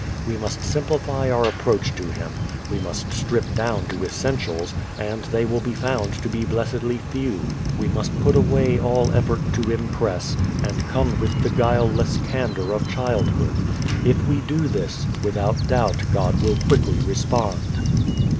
We must simplify our approach to Him. We must strip down to essentials (and they will be found to be blessedly few). We must put away all effort to impress, and come with the guileless candor of childhood. If we do this, without doubt God will quickly respond.